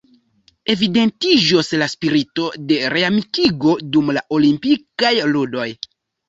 Evidentiĝos la spirito de reamikigo dum la Olimpikaj Ludoj.